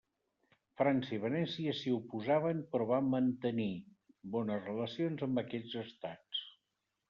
França i Venècia s'hi oposaven però va mantenir bones relacions amb aquests estats.